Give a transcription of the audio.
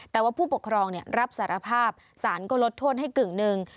แต่ว่าผู้ปกครองรับสารภาพสารก็ลดโทษให้กึ่งหนึ่ง